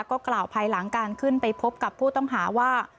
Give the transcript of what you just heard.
ก็กล่าวภายหลังการขึ้นไปพบกับผู้ต้องหาว่า